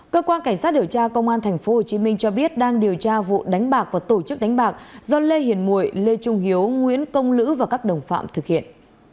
cơ quan cảnh sát điều tra công an tp hcm cho biết đang điều tra vụ đánh bạc và tổ chức đánh bạc do lê hiền mụi lê trung hiếu nguyễn công lữ và các đồng phạm thực hiện